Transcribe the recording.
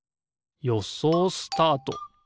よそうスタート！